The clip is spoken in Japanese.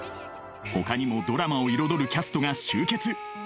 ほかにもドラマを彩るキャストが集結